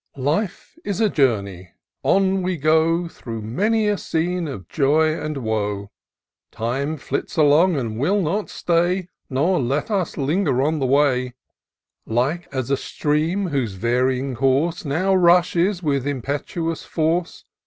IFE is a journey, — on we go, Through many a scene of joy and woe: Time flits along, and will not stay, Nor let us linger on the way : Like as a stream, whose varying course Now rushes with impetuous force.